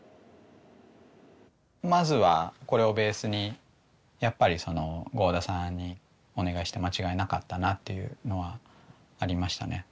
まずはこれをベースにやっぱりその合田さんにお願いして間違いなかったなっていうのはありましたね。